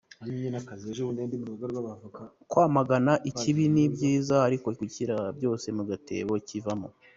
Kwamagana ikibi ni byiza, ariko gushyira abantu bose mu gatebo kamwe nta kiza kivamo.”